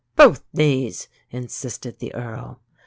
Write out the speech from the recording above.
"Both knees!" insisted the Earl.